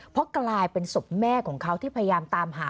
เพราะกลายเป็นศพแม่ของเขาที่พยายามตามหา